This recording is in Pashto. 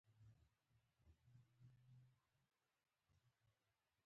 • د انګورو بوی ډېر خوندور وي.